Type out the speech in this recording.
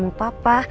mau ketemu papa